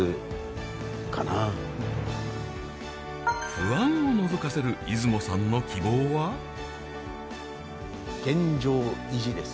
不安をのぞかせる出雲さんの「現状維持」です。